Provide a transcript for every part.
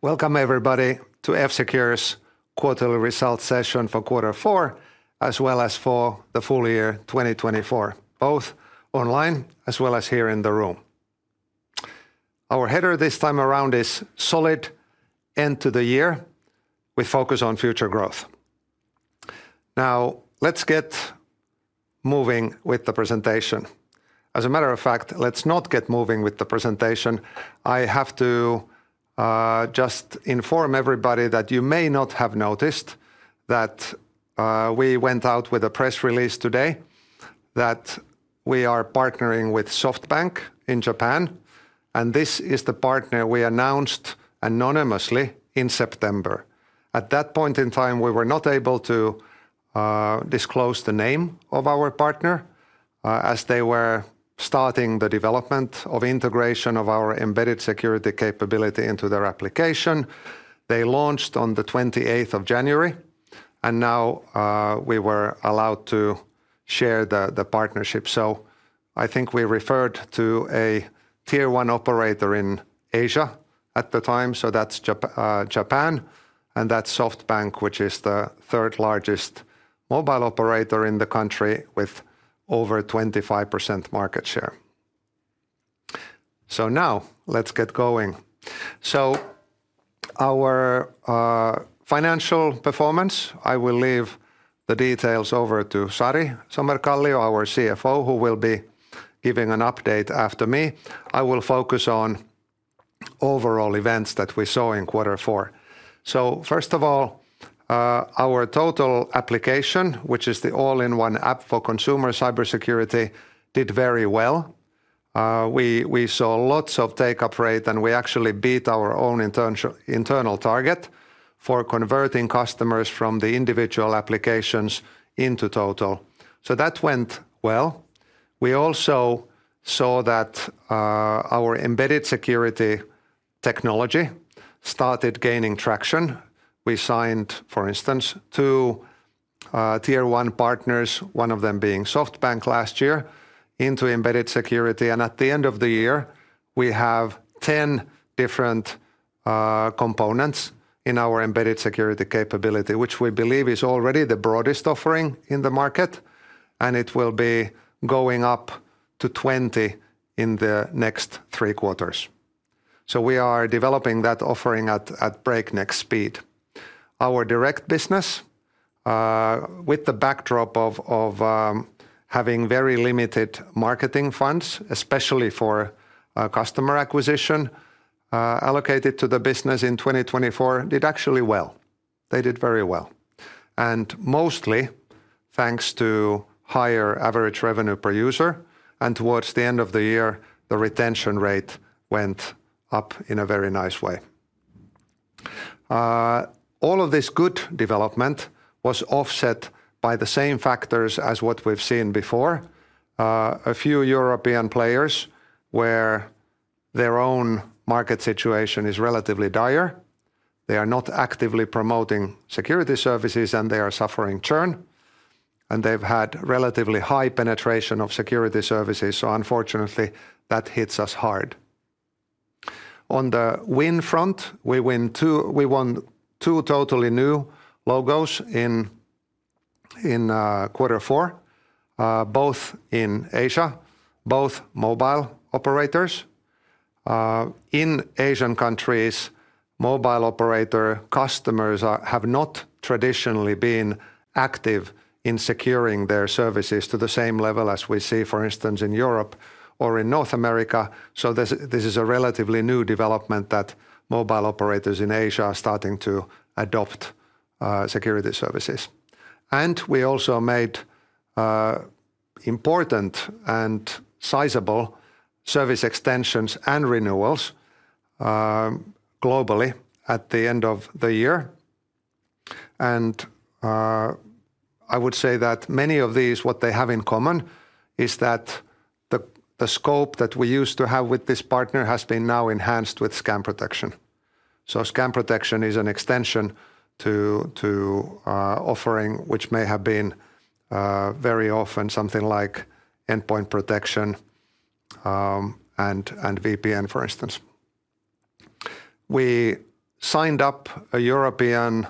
Welcome, everybody, to F-Secure's quarterly results session for Q4, as well as for the full year 2024, both online as well as here in the room. Our header this time around is "Solid End to the Year with Focus on Future Growth." Now, let's get moving with the presentation. As a matter of fact, let's not get moving with the presentation. I have to just inform everybody that you may not have noticed that we went out with a press release today that we are partnering with SoftBank in Japan, and this is the partner we announced anonymously in September. At that point in time, we were not able to disclose the name of our partner as they were starting the development of integration of our embedded security capability into their application. They launched on the 28 January, and now we were allowed to share the partnership. I think we referred to a Tier 1 operator in Asia at the time, so that's Japan, and that's SoftBank, which is the third largest mobile operator in the country with over 25% market share. Now, let's get going. Our financial performance, I will leave the details over to Sari Somerkallio, our CFO, who will be giving an update after me. I will focus on overall events that we saw Q4. first of all, our Total application, which is the all-in-one app for consumer cybersecurity, did very well. We saw lots of take-up rate, and we actually beat our own internal target for converting customers from the individual applications into total. That went well. We also saw that our embedded security technology started gaining traction. We signed, for instance, two Tier 1 partners, one of them being SoftBank last year, into embedded security. At the end of the year, we have 10 different components in our embedded security capability, which we believe is already the broadest offering in the market, and it will be going up to 20 in the next three quarters. We are developing that offering at breakneck speed. Our direct business, with the backdrop of having very limited marketing funds, especially for customer acquisition allocated to the business in 2024, did actually well. They did very well. Mostly thanks to higher average revenue per user, and towards the end of the year, the retention rate went up in a very nice way. All of this good development was offset by the same factors as what we've seen before. A few European players where their own market situation is relatively dire. They are not actively promoting security services, and they are suffering churn. They've had relatively high penetration of security services, so unfortunately, that hits us hard. On the win front, we won two totally new logos in Q4, both in Asia, both mobile operators. In Asian countries, mobile operator customers have not traditionally been active in securing their services to the same level as we see, for instance, in Europe or in North America. This is a relatively new development that mobile operators in Asia are starting to adopt security services. We also made important and sizable service extensions and renewals globally at the end of the year. I would say that many of these, what they have in common is that the scope that we used to have with this partner has been now enhanced with Scam Protection. Scam Protection is an extension to offering which may have been very often something like endpoint protection and VPN, for instance. We signed up a European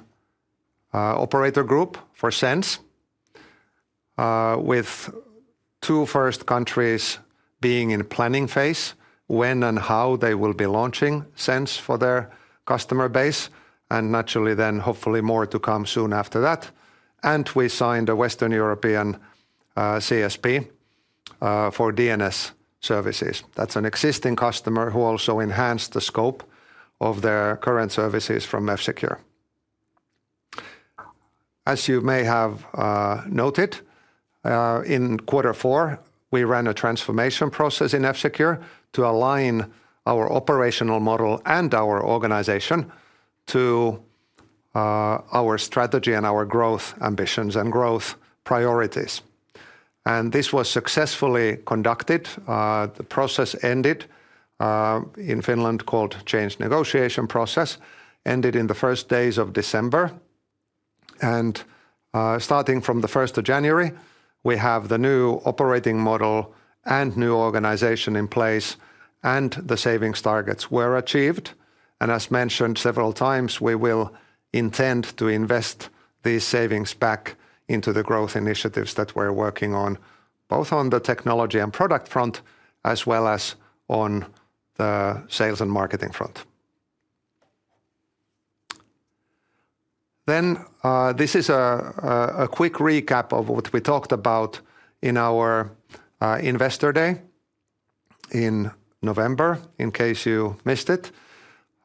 operator group for Sense, with two first countries being in planning phase when and how they will be launching Sense for their customer base, and naturally then, hopefully, more to come soon after that. We signed a Western European CSP for DNS services. That's an existing customer who also enhanced the scope of their current services from F-Secure. As you may have noted, Q4, we ran a transformation process in F-Secure to align our operational model and our organization to our strategy and our growth ambitions and growth priorities. This was successfully conducted. The process ended in Finland called change negotiation process, ended in the first days of December. Starting from the 1 January, we have the new operating model and new organization in place, and the savings targets were achieved. As mentioned several times, we will intend to invest these savings back into the growth initiatives that we're working on, both on the technology and product front, as well as on the sales and marketing front. This is a quick recap of what we talked about in our Investor Day in November, in case you missed it.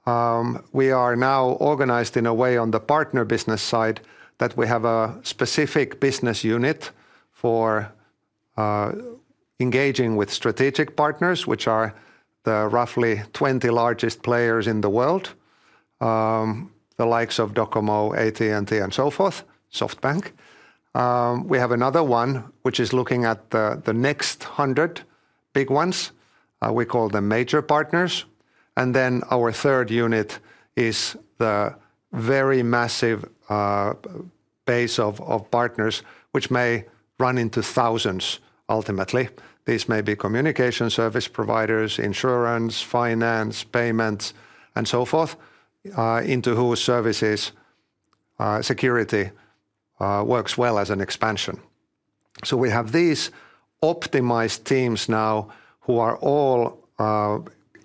We are now organized in a way on the partner business side that we have a specific business unit for engaging with strategic partners, which are the roughly 20 largest players in the world, the likes of Docomo, AT&T, and so forth, SoftBank. We have another one, which is looking at the next 100 big ones. We call them major partners. And then our third unit is the very massive base of partners, which may run into thousands ultimately. These may be communication service providers, insurance, finance, payments, and so forth, into whose services security works well as an expansion. So we have these optimized teams now who are all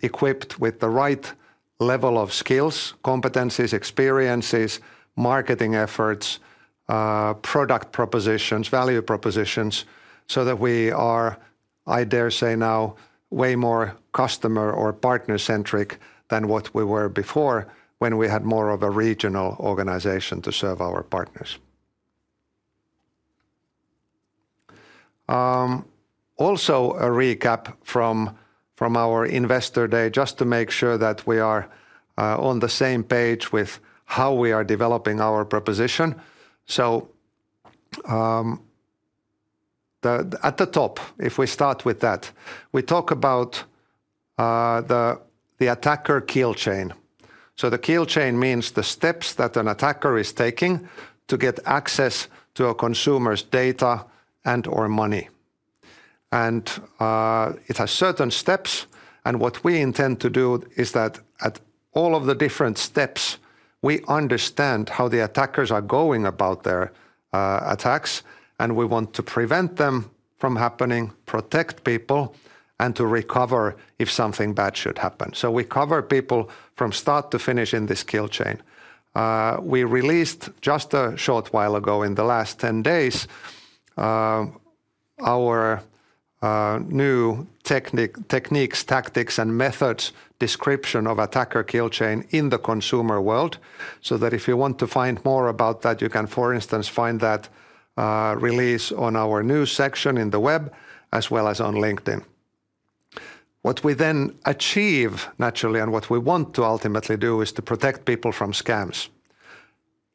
equipped with the right level of skills, competencies, experiences, marketing efforts, product propositions, value propositions, so that we are, I dare say now, way more customer or partner-centric than what we were before when we had more of a regional organization to serve our partners. Also a recap from our Investor Day, just to make sure that we are on the same page with how we are developing our proposition. So at the top, if we start with that, we talk about the Attacker Kill Chain. The kill chain means the steps that an attacker is taking to get access to a consumer's data and/or money. It has certain steps. What we intend to do is that at all of the different steps, we understand how the attackers are going about their attacks, and we want to prevent them from happening, protect people, and to recover if something bad should happen. We cover people from start to finish in this kill chain. We released just a short while ago in the last 10 days our new techniques, tactics, and methods description of attacker kill chain in the consumer world, so that if you want to find more about that, you can, for instance, find that release on our news section on the web, as well as on LinkedIn. What we then achieve, naturally, and what we want to ultimately do is to protect people from scams.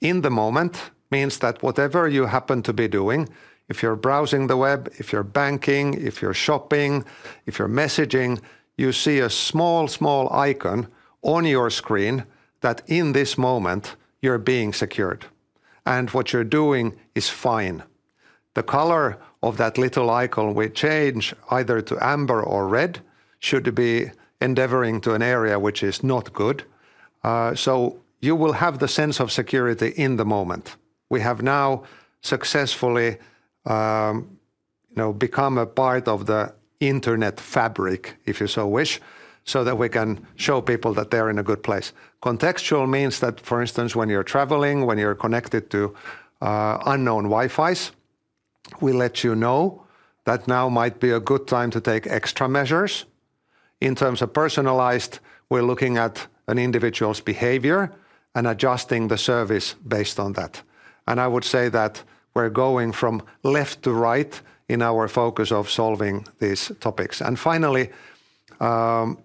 In the moment means that whatever you happen to be doing, if you're browsing the web, if you're banking, if you're shopping, if you're messaging, you see a small, small icon on your screen, that in this moment, you're being secured. And what you're doing is fine. The color of that little icon, we change either to amber or red, should be endeavoring to an area which is not good, so you will have the sense of security in the moment. We have now successfully become a part of the internet fabric, if you so wish, so that we can show people that they're in a good place. Contextual means that, for instance, when you're traveling, when you're connected to unknown Wi-Fis, we let you know that now might be a good time to take extra measures. In terms of personalized, we're looking at an individual's behavior and adjusting the service based on that. And I would say that we're going from left to right in our focus of solving these topics. And finally,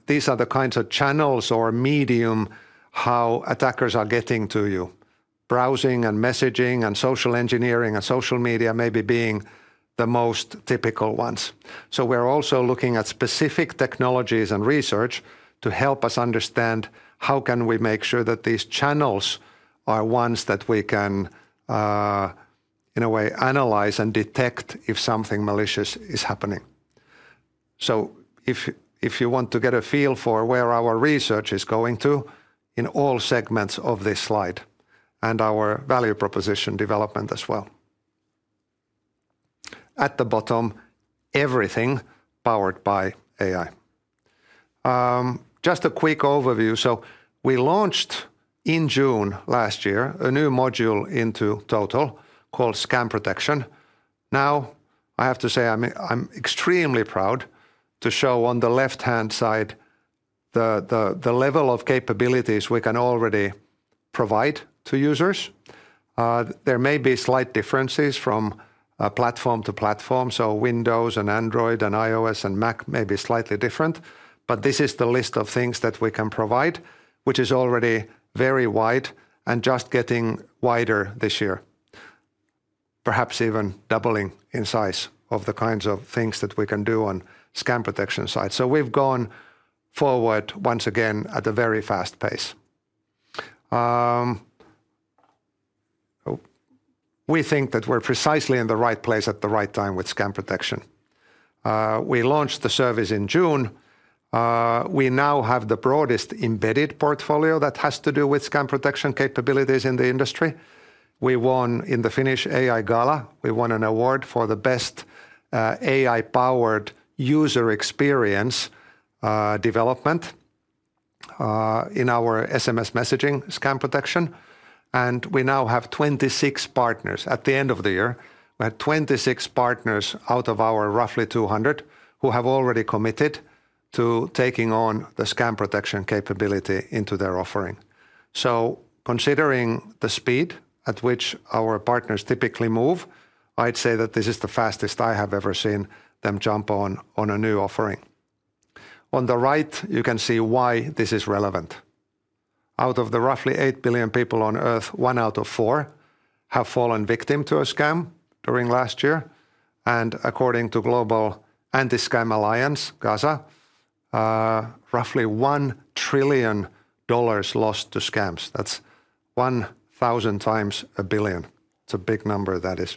these are the kinds of channels or medium how attackers are getting to you. Browsing and messaging and social engineering and social media may be being the most typical ones. So we're also looking at specific technologies and research to help us understand how can we make sure that these channels are ones that we can, in a way, analyze and detect if something malicious is happening. So if you want to get a feel for where our research is going to in all segments of this slide and our value proposition development as well. At the bottom, everything powered by AI. Just a quick overview. So we launched in June last year a new module into Total called Scam Protection. Now, I have to say I'm extremely proud to show on the left-hand side the level of capabilities we can already provide to users. There may be slight differences from platform to platform, so Windows and Android and iOS and Mac may be slightly different, but this is the list of things that we can provide, which is already very wide and just getting wider this year, perhaps even doubling in size of the kinds of things that we can do on the Scam Protection side. So we've gone forward once again at a very fast pace. We think that we're precisely in the right place at the right time with Scam Protection. We launched the service in June. We now have the broadest embedded portfolio that has to do with Scam Protection capabilities in the industry. We won in the Finnish AI Gala. We won an award for the best AI-powered user experience development in our SMS messaging Scam Protection. And we now have 26 partners. At the end of the year, we had 26 partners out of our roughly 200 who have already committed to taking on the Scam Protection capability into their offering. So considering the speed at which our partners typically move, I'd say that this is the fastest I have ever seen them jump on a new offering. On the right, you can see why this is relevant. Out of the roughly 8 billion people on Earth, one out of four have fallen victim to a scam during last year, and according to Global Anti-Scam Alliance, GASA, roughly $1 trillion lost to scams. That's 1,000 times a billion. It's a big number, that is.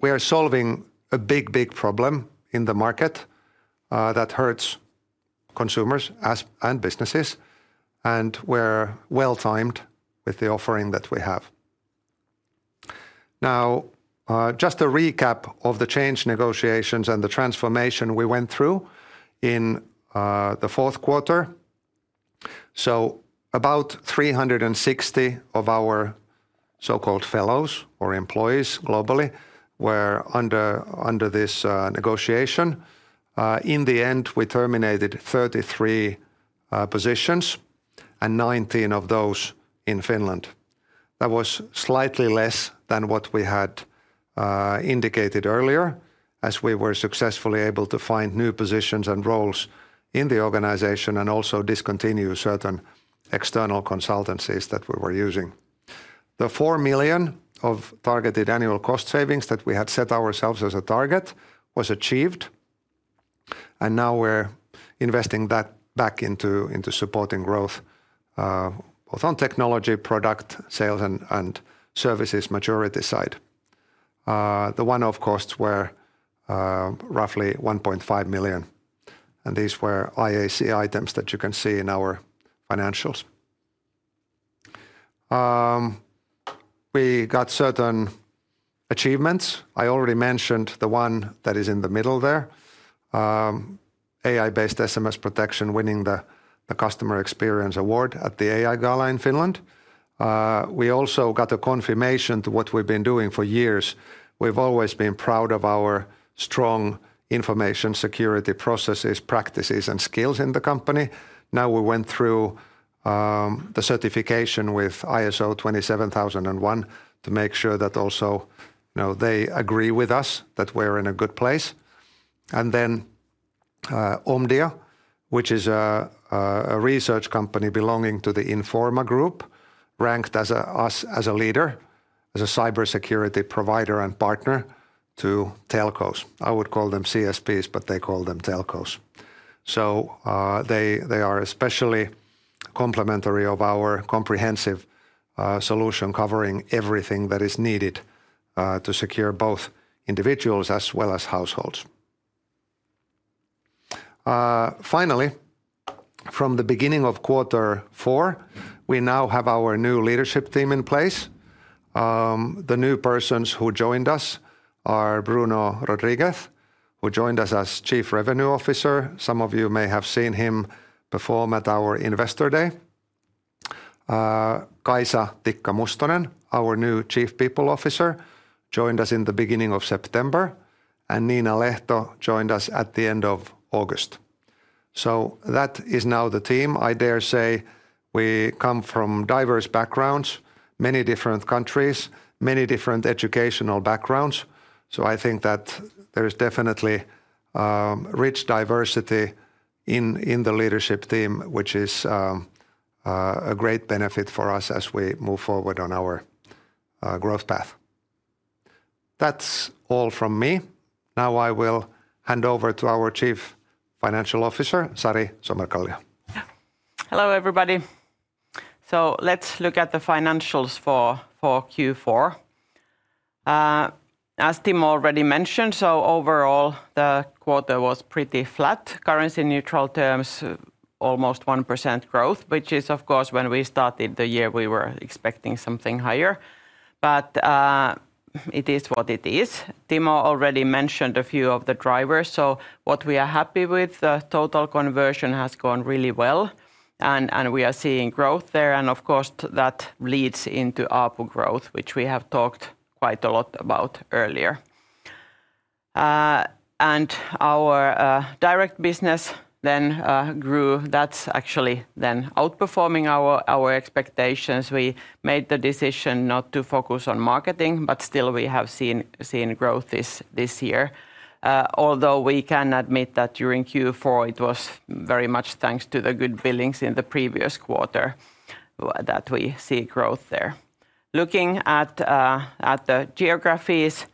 We are solving a big, big problem in the market that hurts consumers and businesses, and we're well-timed with the offering that we have. Now, just a recap of the change negotiations and the transformation we went through in Q4. About 360 of our so-called fellows or employees globally were under this negotiation. In the end, we terminated 33 positions and 19 of those in Finland. That was slightly less than what we had indicated earlier, as we were successfully able to find new positions and roles in the organization and also discontinue certain external consultancies that we were using. The 4 million of targeted annual cost savings that we had set ourselves as a target was achieved, and now we're investing that back into supporting growth, both on technology, product, sales, and services maturity side. The one-off costs were roughly 1.5 million, and these were IAC items that you can see in our financials. We got certain achievements. I already mentioned the one that is in the middle there, AI-based SMS protection winning the Customer Experience Award at the AI Gala in Finland. We also got a confirmation to what we've been doing for years. We've always been proud of our strong information security processes, practices, and skills in the company. Now we went through the certification with ISO 27001 to make sure that also they agree with us that we're in a good place. And then Omdia, which is a research company belonging to the Informa Group, ranked us as a leader, as a cybersecurity provider and partner to telcos. I would call them CSPs, but they call them telcos. So they are especially complimentary of our comprehensive solution covering everything that is needed to secure both individuals as well as households. Finally, from the beginning Q4, we now have our new leadership team in place. The new persons who joined us are Bruno Rodriguez, who joined us as Chief Revenue Officer. Some of you may have seen him perform at our Investor Day. Kaisa Tikka-Mustonen, our new Chief People Officer, joined us in the beginning of September. And Nina Lehto joined us at the end of August. So that is now the team. I dare say we come from diverse backgrounds, many different countries, many different educational backgrounds. I think that there is definitely rich diversity in the leadership team, which is a great benefit for us as we move forward on our growth path. That's all from me. Now I will hand over to our Chief Financial Officer, Sari Somerkallio. Hello everybody. Let's look at the financials for Q4. As Timo already mentioned, overall the quarter was pretty flat. On currency neutral terms, almost 1% growth, which is, of course, when we started the year, we were expecting something higher. But it is what it is. Timo already mentioned a few of the drivers. What we are happy with, the total conversion has gone really well. And we are seeing growth there. And of course, that leads into ARPU growth, which we have talked quite a lot about earlier. And our direct business then grew. That's actually then outperforming our expectations. We made the decision not to focus on marketing, but still we have seen growth this year. Although we can admit that during Q4, it was very much thanks to the good billings in the previous quarter that we see growth there. Looking at the geographies,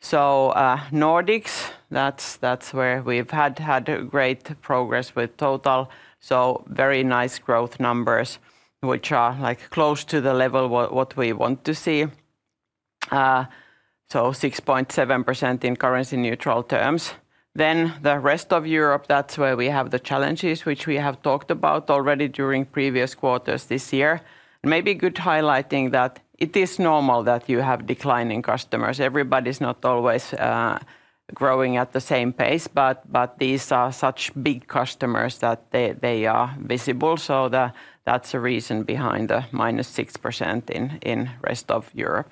so Nordics, that's where we've had great progress with Total. So very nice growth numbers, which are close to the level what we want to see. So 6.7% in currency neutral terms. Then the rest of Europe, that's where we have the challenges, which we have talked about already during previous quarters this year, and maybe good highlighting that it is normal that you have declining customers. Everybody's not always growing at the same pace, but these are such big customers that they are visible. So that's a reason behind the -6% in the rest of Europe.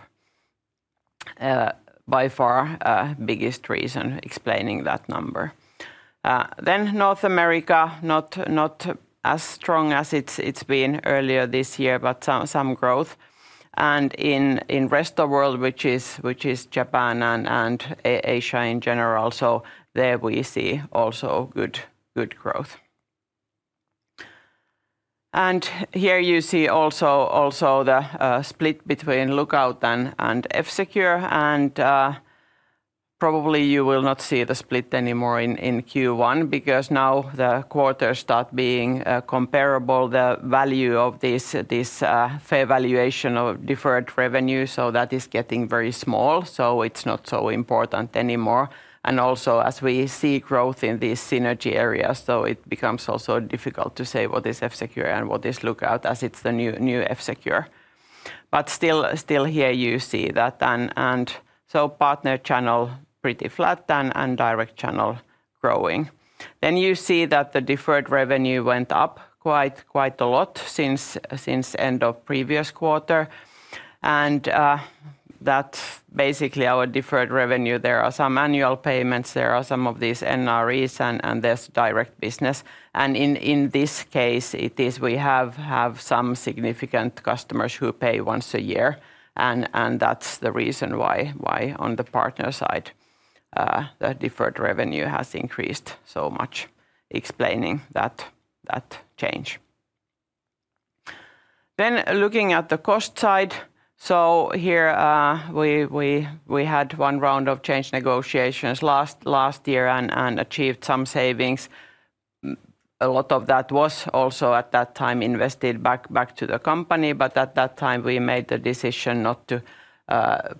By far the biggest reason explaining that number. Then North America, not as strong as it's been earlier this year, but some growth. And in the rest of the world, which is Japan and Asia in general, so there we see also good growth. And here you see also the split between Lookout and F-Secure. And probably you will not see the split anymore in Q1 because now the quarters start being comparable. The value of this fair valuation of deferred revenue, so that is getting very small. So it's not so important anymore. And also as we see growth in these synergy areas, so it becomes also difficult to say what is F-Secure and what is Lookout as it's the new F-Secure. But still here you see that. And so partner channel pretty flat and direct channel growing. Then you see that the deferred revenue went up quite a lot since the end of the previous quarter. And that's basically our deferred revenue. There are some annual payments, there are some of these NREs and there's direct business. And in this case, we have some significant customers who pay once a year. And that's the reason why on the partner side the deferred revenue has increased so much, explaining that change. Then looking at the cost side, so here we had one round of change negotiations last year and achieved some savings. A lot of that was also at that time invested back to the company. But at that time, we made the decision not to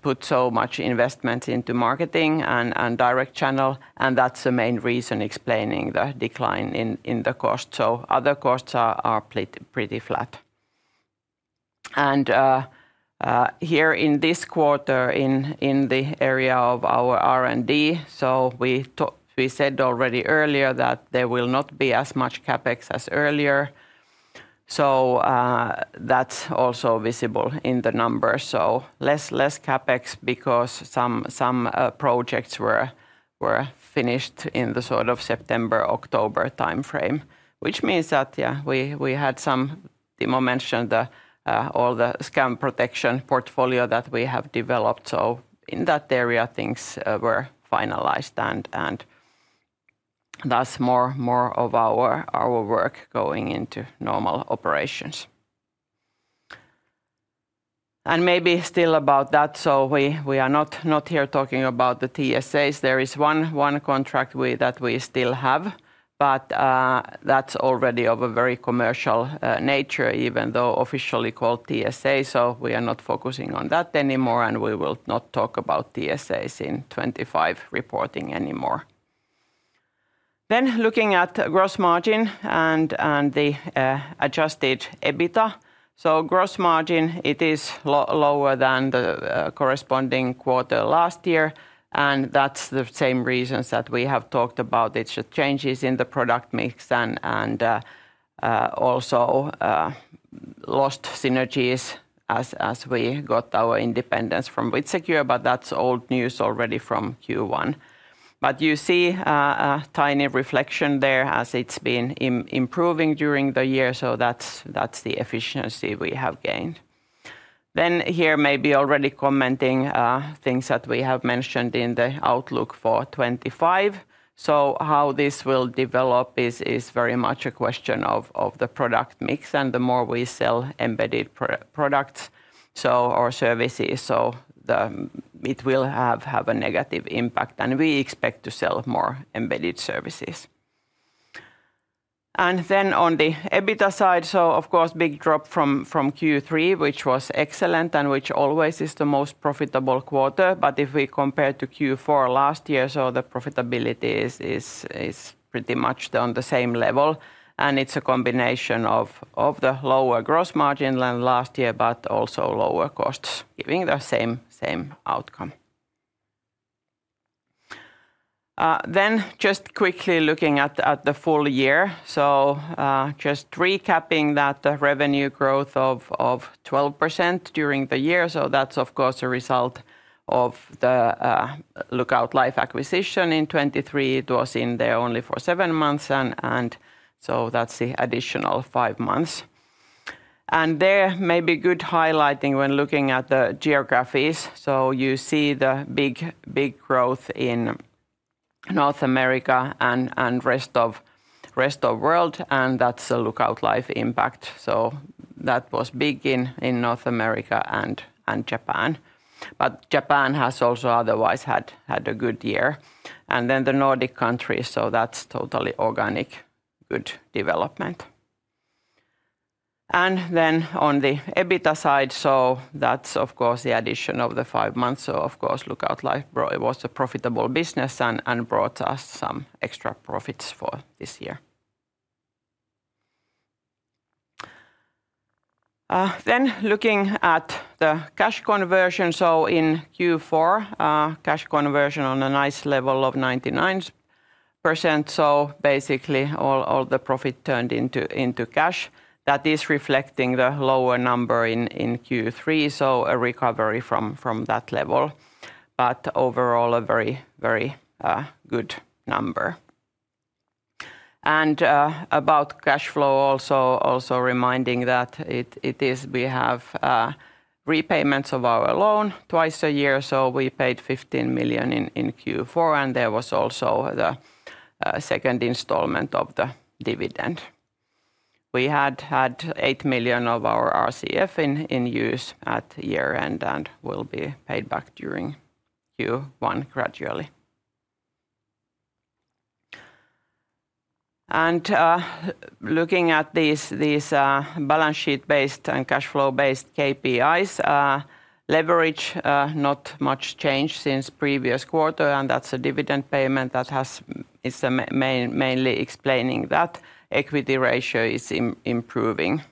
put so much investment into marketing and direct channel. And that's the main reason explaining the decline in the cost. So other costs are pretty flat. And here in this quarter in the area of our R&D, so we said already earlier that there will not be as much CapEx as earlier. So that's also visible in the numbers. So less CapEx because some projects were finished in the sort of September-October timeframe, which means that we had some, Timo mentioned, all the Scam Protection portfolio that we have developed. So in that area, things were finalized. And thus more of our work going into normal operations. And maybe still about that, so we are not here talking about the TSAs. There is one contract that we still have, but that's already of a very commercial nature, even though officially called TSA. So we are not focusing on that anymore, and we will not talk about TSAs in 2025 reporting anymore. Then looking at gross margin and the adjusted EBITDA. So gross margin, it is lower than the corresponding quarter last year. And that's the same reasons that we have talked about. It's the changes in the product mix and also lost synergies as we got our independence from WithSecure. But that's old news already from Q1. But you see a tiny reflection there as it's been improving during the year. So that's the efficiency we have gained. Then here maybe already commenting things that we have mentioned in the outlook for 2025. So how this will develop is very much a question of the product mix. And the more we sell embedded products or services, so it will have a negative impact. And we expect to sell more embedded services. And then on the EBITDA side, so of course big drop from Q3, which was excellent and which always is the most profitable quarter. But if we compare to Q4 last year, so the profitability is pretty much on the same level. And it's a combination of the lower gross margin last year, but also lower costs giving the same outcome. Then just quickly looking at the full year. So just recapping that the revenue growth of 12% during the year. So that's of course a result of the Lookout Life acquisition in 2023. It was in there only for seven months. And so that's the additional five months. And there may be good highlighting when looking at the geographies. So you see the big growth in North America and rest of the world. And that's the Lookout Life impact. So that was big in North America and Japan. But Japan has also otherwise had a good year. And then the Nordic countries. So that's totally organic good development. And then, on the EBITDA side, so that's of course the addition of the five months. So, of course, Lookout Life was a profitable business and brought us some extra profits for this year. Then, looking at the cash conversion. So, in Q4, cash conversion on a nice level of 99%. So, basically, all the profit turned into cash. That is reflecting the lower number in Q3. So, a recovery from that level. But, overall, a very good number. And, about cash flow, also reminding that we have repayments of our loan twice a year. So, we paid 15 million in Q4. And there was also the second installment of the dividend. We had 8 million of our RCF in use at year-end and will be paid back during Q1 gradually. And, looking at these balance sheet-based and cash flow-based KPIs, leverage not much changed since previous quarter. And that's a dividend payment that is mainly explaining that equity ratio is improving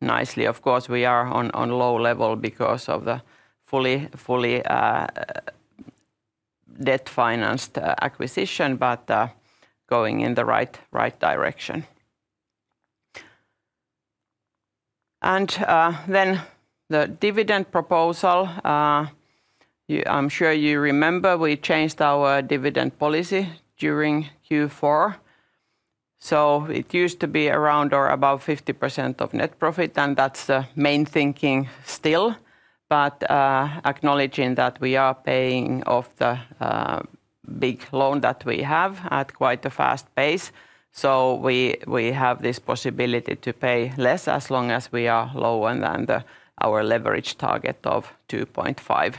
nicely. Of course we are on low level because of the fully debt-financed acquisition, but going in the right direction. And then the dividend proposal. I'm sure you remember we changed our dividend policy during Q4. So it used to be around or about 50% of net profit. And that's the main thinking still. But acknowledging that we are paying off the big loan that we have at quite a fast pace. So we have this possibility to pay less as long as we are lower than our leverage target of 2.5.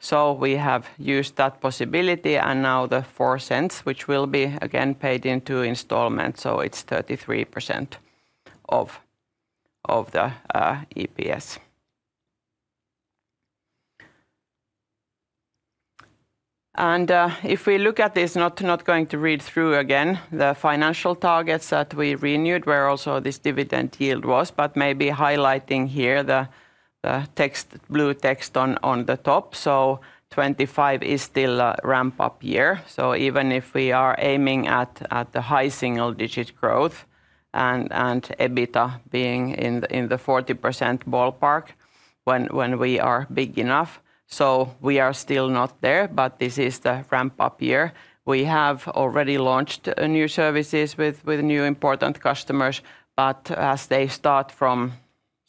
So we have used that possibility. And now the 0.04, which will be again paid into installments. So it's 33% of the EPS. And if we look at this, not going to read through again, the financial targets that we renewed were also this dividend yield was. But maybe highlighting here the blue text on the top. 2025 is still a ramp-up year. Even if we are aiming at the high single-digit growth and EBITDA being in the 40% ballpark when we are big enough, we are still not there, but this is the ramp-up year. We have already launched new services with new important customers. But as they start from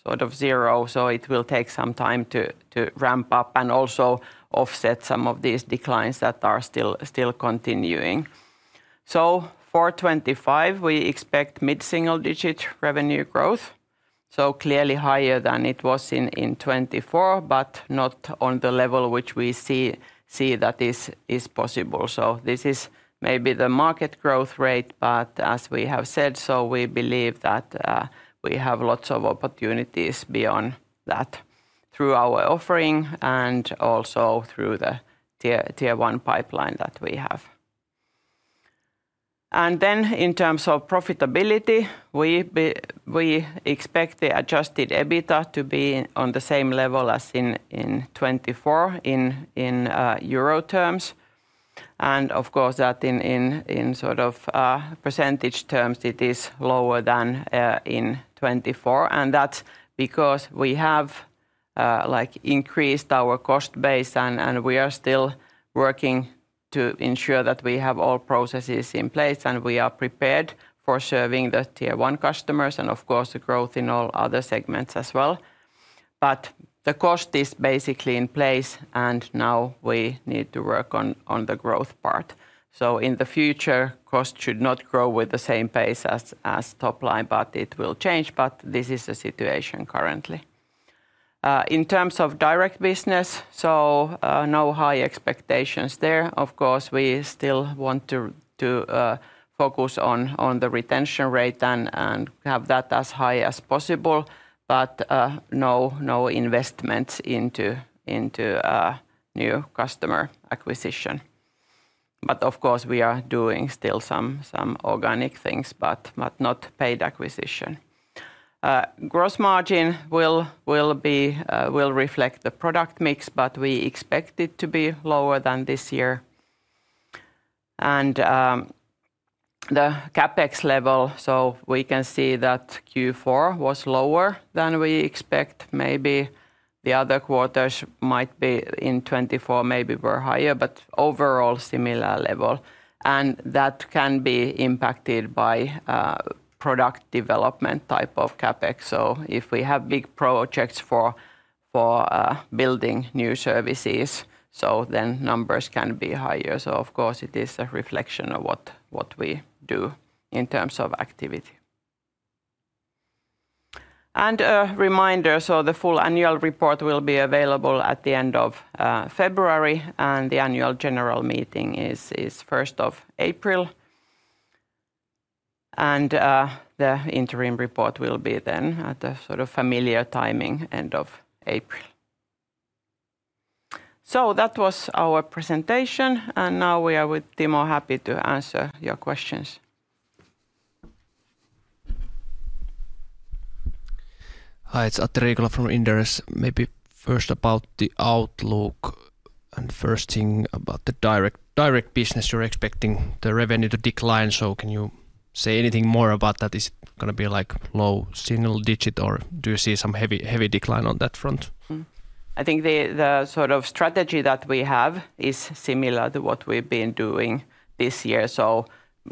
sort of zero, it will take some time to ramp up and also offset some of these declines that are still continuing. For 2025, we expect mid-single-digit revenue growth. Clearly higher than it was in 2024, but not on the level which we see that is possible. This is maybe the market growth rate. But as we have said, so we believe that we have lots of opportunities beyond that through our offering and also through the Tier 1 pipeline that we have. And then in terms of profitability, we expect the adjusted EBITDA to be on the same level as in 2024 in euro terms. And of course that in sort of percentage terms, it is lower than in 2024. And that's because we have increased our cost base and we are still working to ensure that we have all processes in place and we are prepared for serving the Tier 1 customers. And of course the growth in all other segments as well. But the cost is basically in place. And now we need to work on the growth part. So in the future, cost should not grow with the same pace as top line, but it will change. But this is the situation currently. In terms of direct business, so no high expectations there. Of course we still want to focus on the retention rate and have that as high as possible. But no investments into new customer acquisition. But of course we are doing still some organic things, but not paid acquisition. Gross margin will reflect the product mix, but we expect it to be lower than this year. And the CapEx level, so we can see that Q4 was lower than we expect. Maybe the other quarters might be in 2024, maybe were higher, but overall similar level. And that can be impacted by product development type of CapEx. So if we have big projects for building new services, so then numbers can be higher. So of course it is a reflection of what we do in terms of activity. And a reminder, so the full annual report will be available at the end of February. And the annual general meeting is 1 April. And the interim report will be then at a sort of familiar timing end of April. So that was our presentation. And now we are with Timo, happy to answer your questions. Hi, it's Atte Riikola from Inderes. Maybe first about the outlook and first thing about the direct business, you're expecting the revenue to decline. So can you say anything more about that? Is it going to be like low single digit or do you see some heavy decline on that front? I think the sort of strategy that we have is similar to what we've been doing this year. So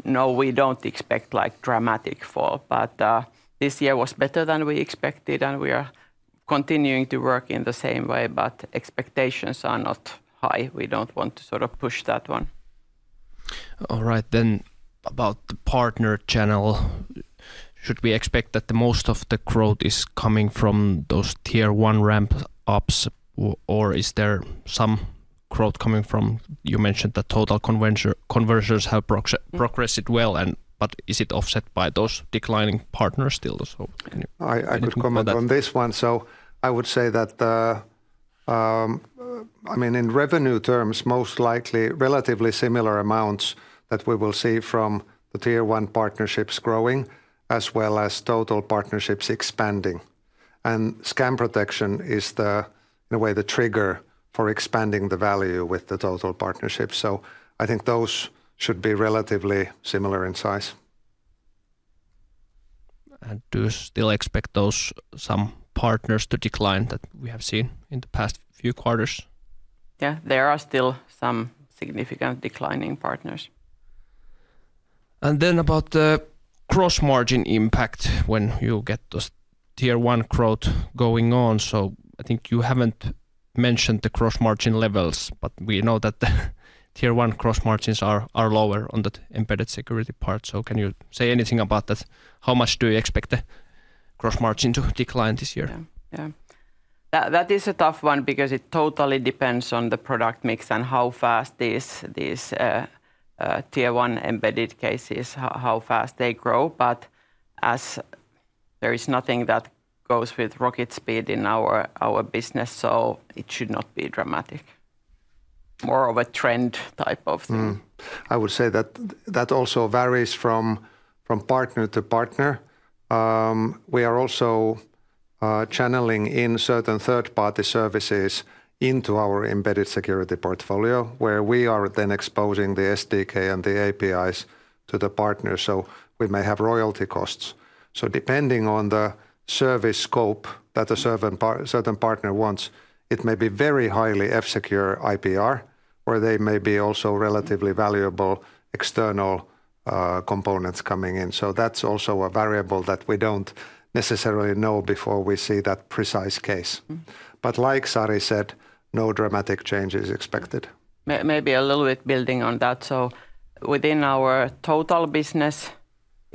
no, we don't expect like dramatic fall. But this year was better than we expected. And we are continuing to work in the same way. But expectations are not high. We don't want to sort of push that one. All right, then about the partner channel. Should we expect that most of the growth is coming from those Tier 1 ramp-ups or is there some growth coming from, you mentioned that total conversions have progressed well. But is it offset by those declining partners still? I could comment on this one. So I would say that, I mean, in revenue terms, most likely relatively similar amounts that we will see from the Tier 1 partnerships growing as well as total partnerships expanding. And Scam Protection is the, in a way, the trigger for expanding the value with the total partnership. So I think those should be relatively similar in size. Do you still expect those same partners to decline that we have seen in the past few quarters? Yeah, there are still some significant declining partners. About the gross margin impact when you get those Tier 1 growth going on. I think you haven't mentioned the gross margin levels, but we know that the Tier 1 gross margins are lower on the embedded security part. Can you say anything about that? How much do you expect the gross margin to decline this year? Yeah, that is a tough one because it totally depends on the product mix and how fast these Tier 1 embedded cases, how fast they grow. But as there is nothing that goes with rocket speed in our business, it should not be dramatic. More of a trend type of thing. I would say that that also varies from partner to partner. We are also channeling in certain third-party services into our embedded security portfolio where we are then exposing the SDK and the APIs to the partners. So we may have royalty costs. So depending on the service scope that a certain partner wants, it may be very highly F-Secure IPR or they may be also relatively valuable external components coming in. So that's also a variable that we don't necessarily know before we see that precise case. But like Sari said, no dramatic change is expected. Maybe a little bit building on that. So within our total business,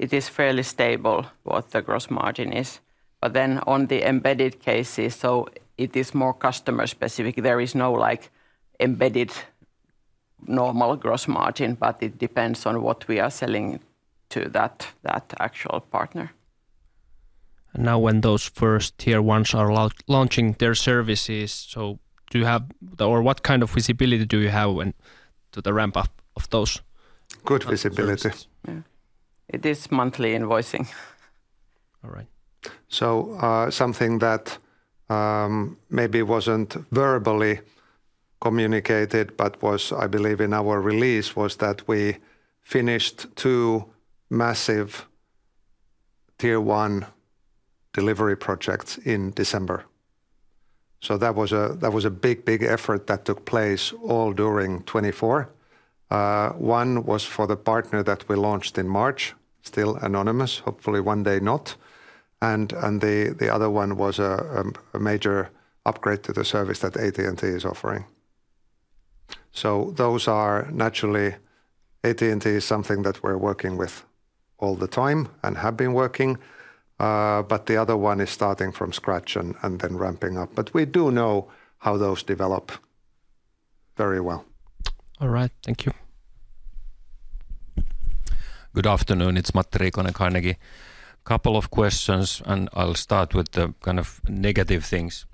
it is fairly stable what the gross margin is. But then on the embedded cases, so it is more customer specific. There is no like embedded normal gross margin, but it depends on what we are selling to that actual partner. Now when those first Tier 1s are launching their services, so do you have or what kind of visibility do you have to the ramp-up of those? Good visibility. It is monthly invoicing. All right. Something that maybe wasn't verbally communicated, but was, I believe, in our release, was that we finished two massive Tier 1 delivery projects in December. That was a big, big effort that took place all during 2024. One was for the partner that we launched in March, still anonymous, hopefully one day not. The other one was a major upgrade to the service that AT&T is offering. Those are naturally. AT&T is something that we're working with all the time and have been working. The other one is starting from scratch and then ramping up. We do know how those develop very well. All right, thank you. Good afternoon, it's Matti Riikonen, Carnegie. A couple of questions and I'll start with the kind of negative things.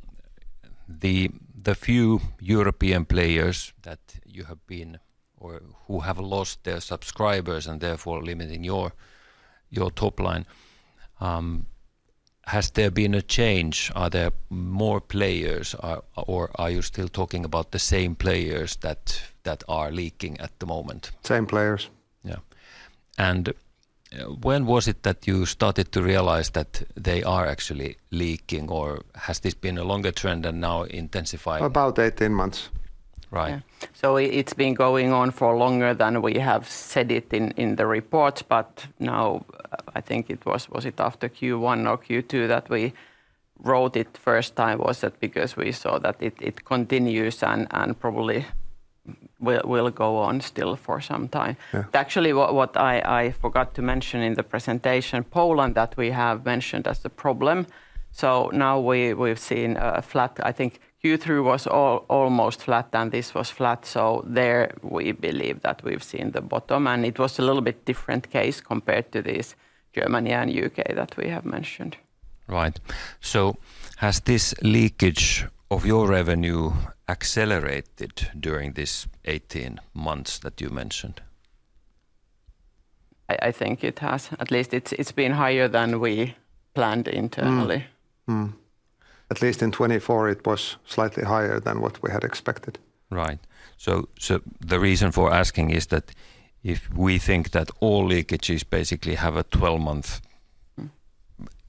The few European players that you have been or who have lost their subscribers and therefore limiting your top line, has there been a change? Are there more players or are you still talking about the same players that are leaking at the moment? Same players. Yeah. And when was it that you started to realize that they are actually leaking or has this been a longer trend and now intensified? About 18 months. Right. So it's been going on for longer than we have said it in the report. But now I think it was, was it after Q1 or Q2 that we wrote it first time was that because we saw that it continues and probably will go on still for some time. Actually, what I forgot to mention in the presentation, Poland that we have mentioned as a problem. So now we've seen a flat, I think Q3 was almost flat and this was flat. So there we believe that we've seen the bottom. And it was a little bit different case compared to this Germany and U.K. that we have mentioned. Right. So has this leakage of your revenue accelerated during these 18 months that you mentioned? I think it has. At least it's been higher than we planned internally. At least in 2024 it was slightly higher than what we had expected. Right. So the reason for asking is that if we think that all leakages basically have a 12-month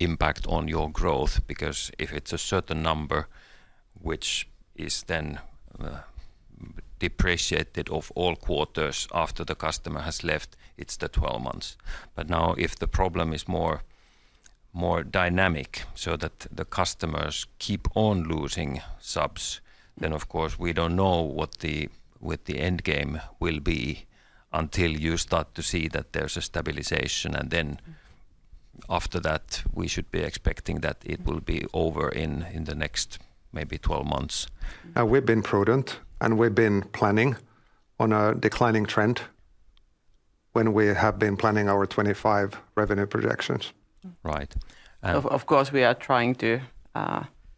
impact on your growth, because if it's a certain number which is then depreciated of all quarters after the customer has left, it's the 12 months. But now, if the problem is more dynamic so that the customers keep on losing subs, then of course we don't know what the end game will be until you start to see that there's a stabilization. And then after that, we should be expecting that it will be over in the next maybe 12 months. Now we've been prudent and we've been planning on a declining trend when we have been planning our 2025 revenue projections. Right. Of course we are trying to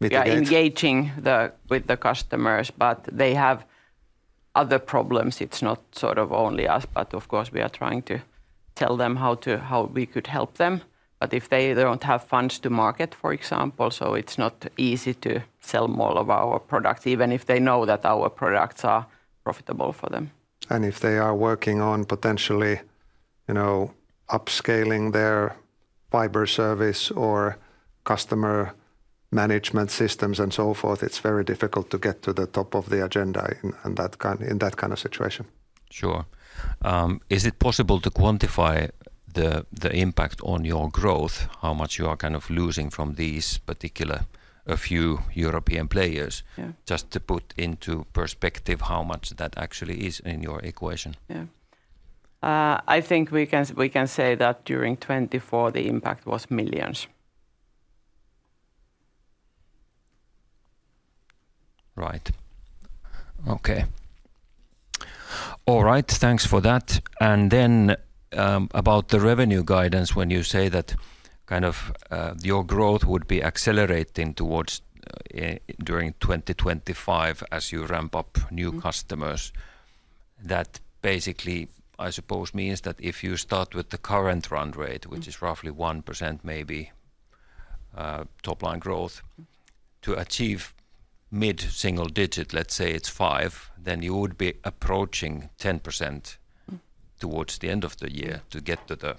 engage with the customers, but they have other problems. It's not sort of only us, but of course we are trying to tell them how we could help them. But if they don't have funds to market, for example, so it's not easy to sell more of our products, even if they know that our products are profitable for them. And if they are working on potentially upscaling their fiber service or customer management systems and so forth, it's very difficult to get to the top of the agenda in that kind of situation. Sure. Is it possible to quantify the impact on your growth, how much you are kind of losing from these particular few European players? Just to put into perspective how much that actually is in your equation. Yeah. I think we can say that during 2024 the impact was millions. Right. Okay. All right, thanks for that. And then about the revenue guidance, when you say that kind of your growth would be accelerating towards during 2025 as you ramp up new customers, that basically I suppose means that if you start with the current run rate, which is roughly 1% maybe top line growth, to achieve mid single digit, let's say it's five, then you would be approaching 10% towards the end of the year to get to the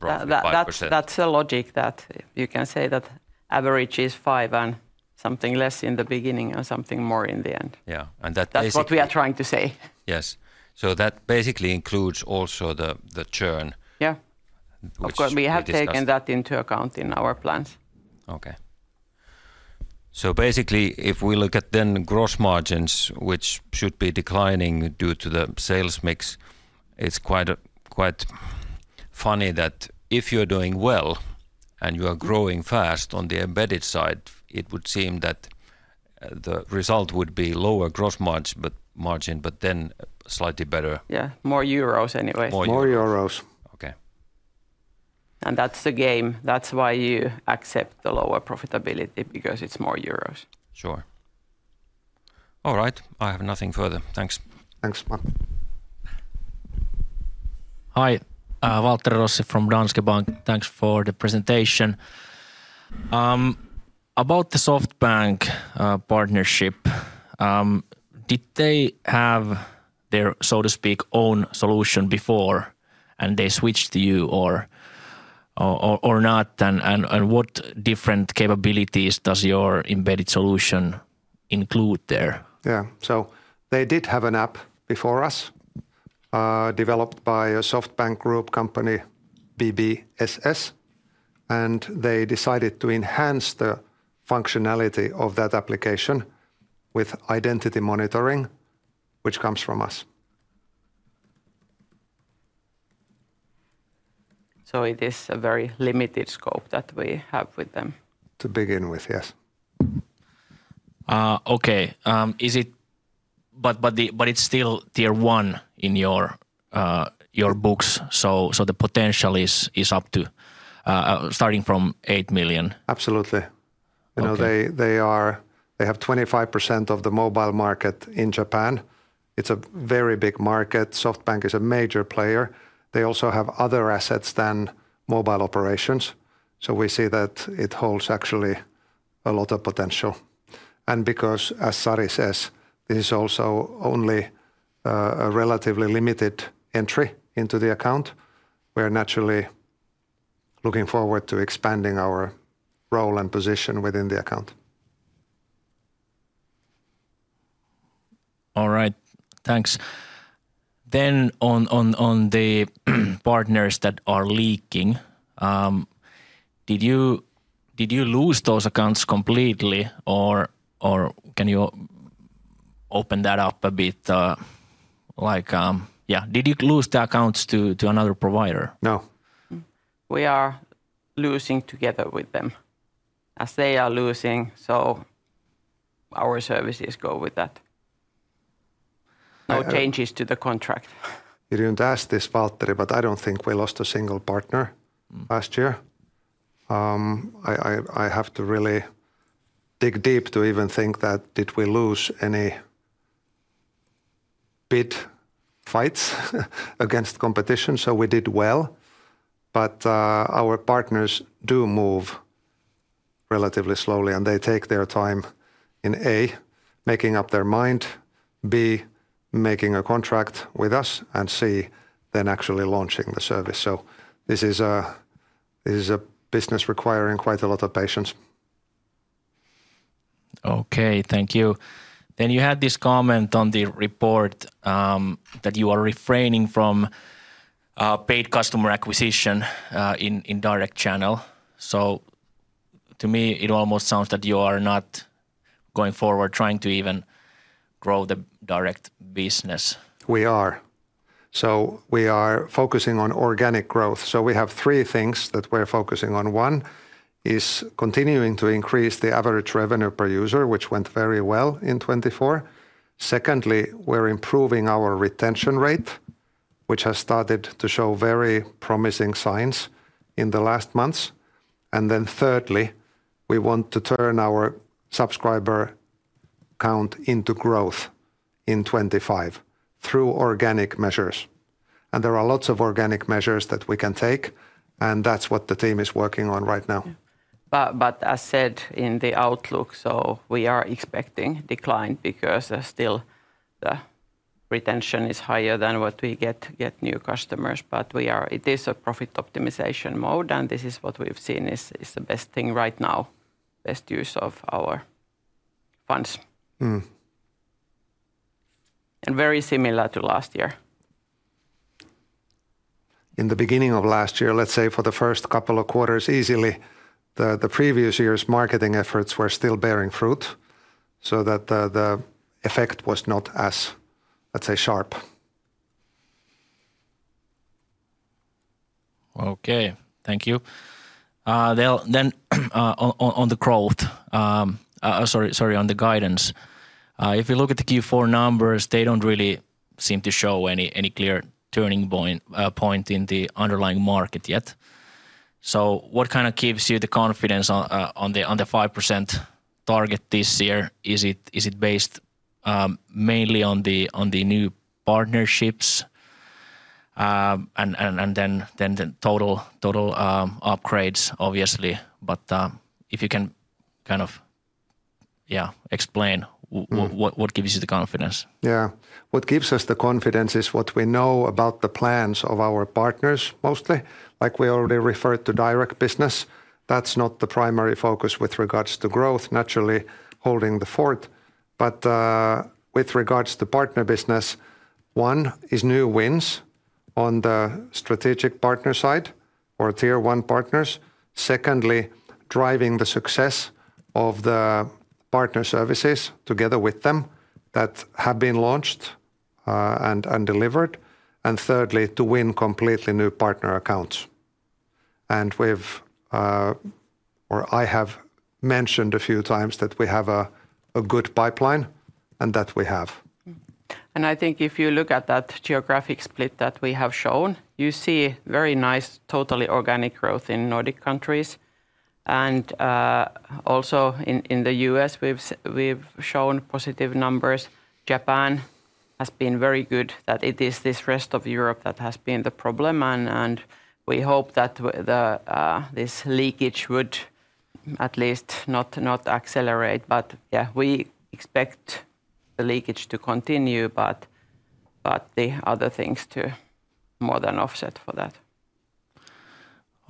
broadband. That's the logic that you can say that average is five and something less in the beginning and something more in the end. Yeah. And that basically. That's what we are trying to say. Yes. So that basically includes also the churn. Yeah. Of course we have taken that into account in our plans. Okay. So basically, if we look at the gross margins, which should be declining due to the sales mix, it's quite funny that if you're doing well and you are growing fast on the embedded side, it would seem that the result would be lower gross margin, but then slightly better. Yeah, more euros anyway. More euros. Okay. And that's the game. That's why you accept the lower profitability because it's more euros. Sure. All right. I have nothing further. Thanks. Thanks, Matti. Hi, Waltteri Rossi from Danske Bank. Thanks for the presentation. About the SoftBank partnership, did they have their, so to speak, own solution before and they switched to you or not? And what different capabilities does your embedded solution include there? Yeah. So they did have an app before us developed by a SoftBank group company, BBSS. They decided to enhance the functionality of that application with identity monitoring, which comes from us. So it is a very limited scope that we have with them. To begin with, yes. Okay. But it's still Tier 1 in your books. So the potential is up to starting from eight million. Absolutely. They have 25% of the mobile market in Japan. It's a very big market. SoftBank is a major player. They also have other assets than mobile operations. So we see that it holds actually a lot of potential. Because, as Sari says, this is also only a relatively limited entry into the account, we are naturally looking forward to expanding our role and position within the account. All right, thanks. Then on the partners that are leaking, did you lose those accounts completely or can you open that up a bit? Yeah. Did you lose the accounts to another provider? No. We are losing together with them. As they are losing, so our services go with that. No changes to the contract. [you didn't] ask this, Waltteri, but I don't think we lost a single partner last year. I have to really dig deep to even think that did we lose any bid fights against competition. So we did well. But our partners do move relatively slowly and they take their time in A, making up their mind, B, making a contract with us, and C, then actually launching the service. So this is a business requiring quite a lot of patience. Okay, thank you. Then you had this comment on the report that you are refraining from paid customer acquisition in direct channel. To me, it almost sounds that you are not going forward trying to even grow the direct business. We are. We are focusing on organic growth. We have three things that we're focusing on. One is continuing to increase the average revenue per user, which went very well in 2024. Secondly, we're improving our retention rate, which has started to show very promising signs in the last months. Then thirdly, we want to turn our subscriber count into growth in 2025 through organic measures. There are lots of organic measures that we can take. That's what the team is working on right now. As said in the outlook, we are expecting decline because still the retention is higher than what we get new customers. But it is a profit optimization mode and this is what we've seen is the best thing right now, best use of our funds. And very similar to last year. In the beginning of last year, let's say for the first couple of quarters easily, the previous year's marketing efforts were still bearing fruit. So that the effect was not as, let's say, sharp. Okay, thank you. Then on the growth, sorry, on the guidance. If we look at the Q4 numbers, they don't really seem to show any clear turning point in the underlying market yet. So what kind of gives you the confidence on the 5% target this year? Is it based mainly on the new partnerships and then total upgrades, obviously? But if you can kind of, yeah, explain what gives you the confidence. Yeah. What gives us the confidence is what we know about the plans of our partners mostly. Like we already referred to direct business, that's not the primary focus with regards to growth, naturally holding the fort. But with regards to partner business, one is new wins on the strategic partner side or Tier 1 partners. Secondly, driving the success of the partner services together with them that have been launched and delivered. And thirdly, to win completely new partner accounts. And I have mentioned a few times that we have a good pipeline and that we have. And I think if you look at that geographic split that we have shown, you see very nice totally organic growth in Nordic countries. And also in the U.S., we've shown positive numbers. Japan has been very good that it is this rest of Europe that has been the problem. We hope that this leakage would at least not accelerate. Yeah, we expect the leakage to continue, but the other things to more than offset for that.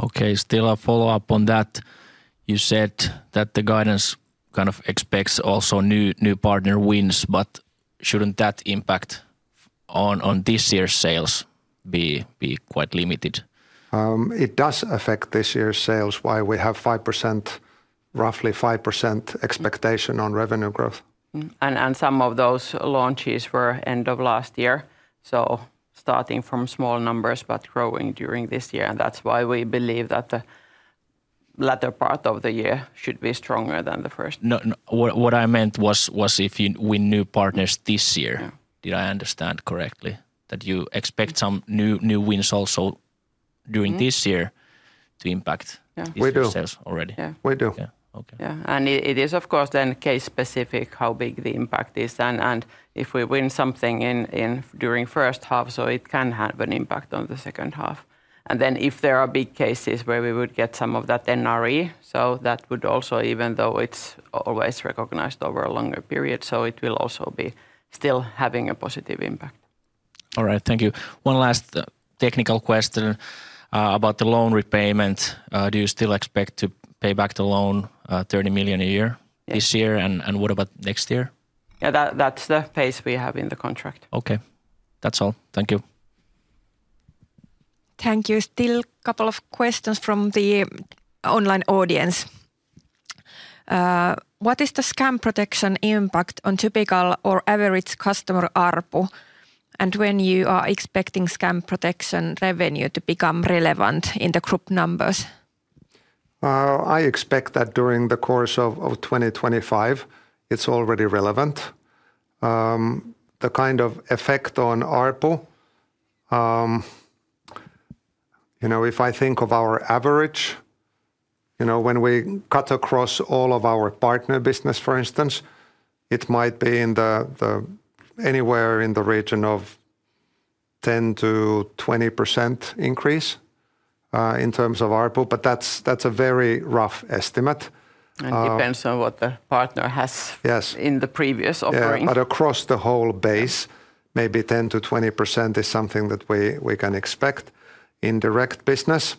Okay, still a follow-up on that. You said that the guidance kind of expects also new partner wins, but shouldn't that impact on this year's sales be quite limited? It does affect this year's sales, why we have roughly 5% expectation on revenue growth. Some of those launches were end of last year. Starting from small numbers, but growing during this year. That's why we believe that the latter part of the year should be stronger than the first. What I meant was if we win new partners this year, did I understand correctly? That you expect some new wins also during this year to impact this year's sales already. We do. Yeah. It is of course then case-specific how big the impact is. And if we win something during first half, so it can have an impact on the second half. And then if there are big cases where we would get some of that NRE, so that would also, even though it's always recognized over a longer period, so it will also be still having a positive impact. All right, thank you. One last technical question about the loan repayment. Do you still expect to pay back the loan 30 million a year this year? And what about next year? Yeah, that's the phase we have in the contract. Okay. That's all. Thank you. Thank you. Still a couple of questions from the online audience. What is the Scam Protection impact on typical or average customer ARPU? When you are expecting Scam Protection revenue to become relevant in the group numbers? I expect that during the course of 2025, it's already relevant. The kind of effect on ARPU, if I think of our average, when we cut across all of our partner business, for instance, it might be anywhere in the region of 10%-20% increase in terms of ARPU, but that's a very rough estimate. It depends on what the partner has in the previous offering. But across the whole base, maybe 10%-20% is something that we can expect in direct business.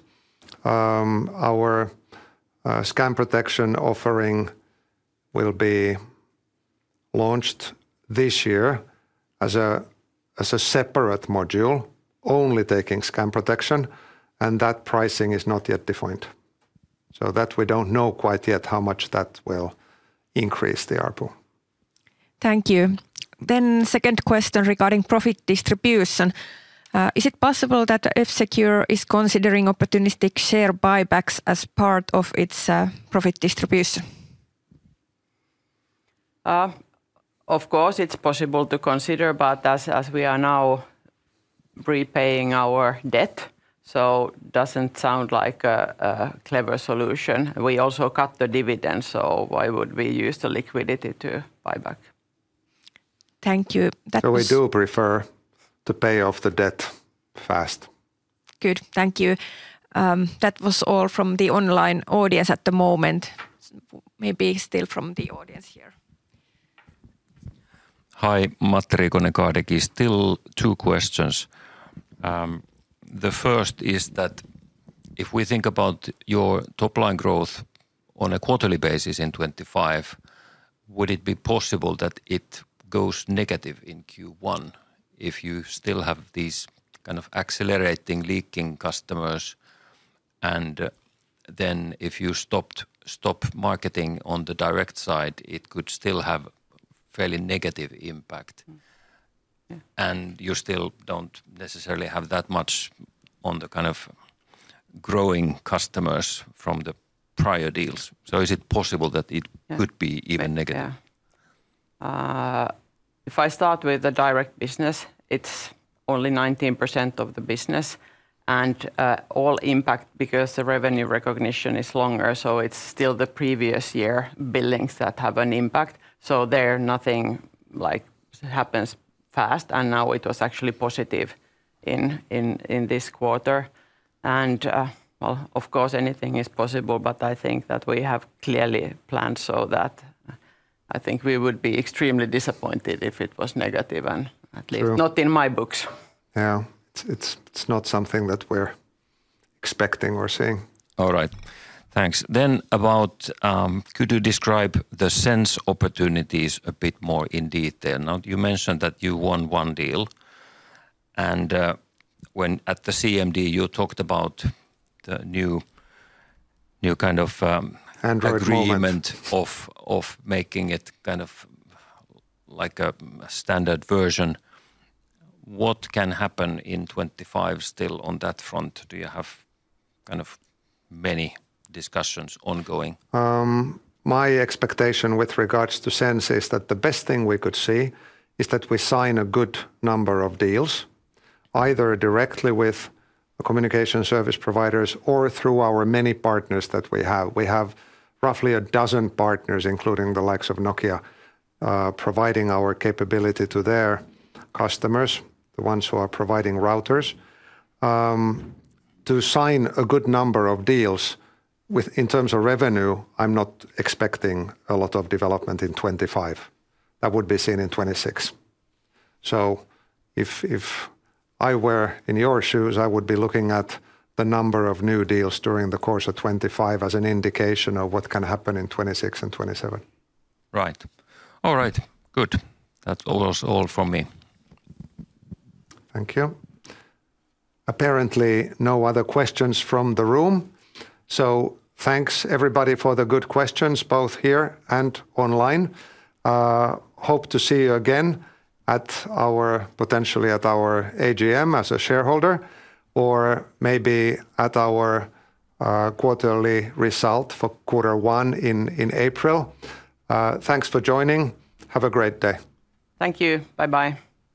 Our Scam Protection offering will be launched this year as a separate module, only taking Scam Protection, and that pricing is not yet defined. So that we don't know quite yet how much that will increase the ARPU. Thank you. Then second question regarding profit distribution. Is it possible that F-Secure is considering opportunistic share buybacks as part of its profit distribution? Of course, it's possible to consider, but as we are now repaying our debt, so it doesn't sound like a clever solution. We also cut the dividend, so why would we use the liquidity to buyback? Thank you. So we do prefer to pay off the debt fast. Good. Thank you. That was all from the online audience at the moment. Maybe still from the audience here. Hi, Matti Riikonen. Still two questions. The first is that if we think about your top-line growth on a quarterly basis in 2025, would it be possible that it goes negative in Q1 if you still have these kind of accelerating leaking customers? And then if you stopped marketing on the direct side, it could still have a fairly negative impact. You still don't necessarily have that much on the kind of growing customers from the prior deals. Is it possible that it could be even negative? If I start with the direct business, it's only 19% of the business. The impact, because the revenue recognition is longer, so it's still the previous year billings that have an impact. So there's nothing that happens fast. Now it was actually positive in this quarter. Of course, anything is possible, but I think that we have clearly planned so that I think we would be extremely disappointed if it was negative and at least not in my books. Yeah, it's not something that we're expecting or seeing. All right, thanks. Then about, could you describe the Sense opportunities a bit more in detail? Now you mentioned that you won one deal. When at the CMD you talked about the new kind of agreement of making it kind of like a standard version. What can happen in 2025 still on that front? Do you have kind of many discussions ongoing? My expectation with regards to Sense is that the best thing we could see is that we sign a good number of deals, either directly with communication service providers or through our many partners that we have. We have roughly a dozen partners, including the likes of Nokia, providing our capability to their customers, the ones who are providing routers. To sign a good number of deals in terms of revenue, I'm not expecting a lot of development in 2025. That would be seen in 2026. So if I were in your shoes, I would be looking at the number of new deals during the course of 2025 as an indication of what can happen in 2026 and 2027. Right. All right. Good. That was all from me. Thank you. Apparently, no other questions from the room. So thanks everybody for the good questions, both here and online. Hope to see you again potentially at our AGM as a shareholder or maybe at our quarterly result for quarter one in April. Thanks for joining. Have a great day. Thank you. Bye-bye.